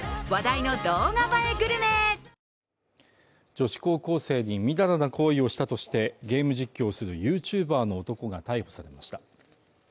女子高校生にみだらな行為をしたとして、ゲーム実況をするＹｏｕＴｕｂｅｒの男が逮捕されました。